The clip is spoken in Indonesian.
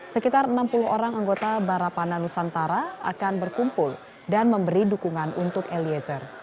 sekitar enam puluh orang anggota barapana nusantara akan berkumpul dan memberi dukungan untuk eliezer